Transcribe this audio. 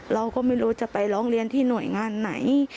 เราก็ไม่รู้จะไปร้องเรียนที่หน่วยงานไหน